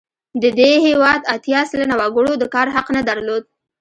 د دې هېواد اتیا سلنه وګړو د کار حق نه درلود.